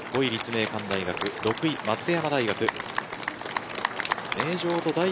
５位、立命館大学６位、松山大学。